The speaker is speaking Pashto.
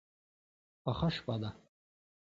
پخه شپه ده.